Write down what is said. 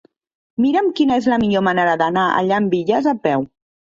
Mira'm quina és la millor manera d'anar a Llambilles a peu.